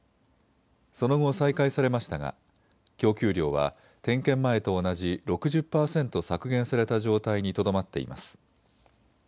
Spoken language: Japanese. その後、再開されましたが供給量は点検前と同じ６０％削減された状態にとどまっています。